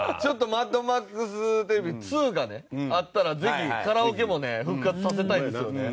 「マッドマックスＴＶ２」がねあったらぜひカラオケもね復活させたいですよね。